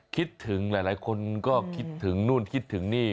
คิดถึงหลายคนก็คิดถึงนู่นคิดถึงนี่